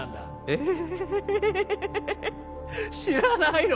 えっ知らないの？